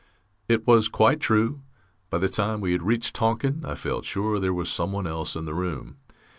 It was quite true. By the time we had reached Tonking, I felt sure there was someone else in the room.